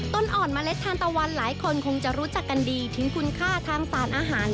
ต้นอ่อนเมล็ดทานตะวันหลายคนคงจะรู้จักกันดีถึงคุณค่าทางสารอาหาร